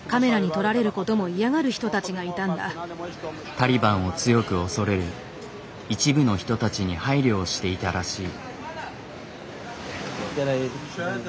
タリバンを強く恐れる一部の人たちに配慮をしていたらしい。